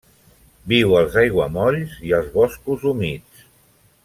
Viu als aiguamolls i als boscos humits.